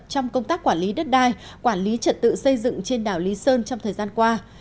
trong công tác quản lý đất đai quản lý trật tự xây dựng trên đảo lý sơn trong thời gian qua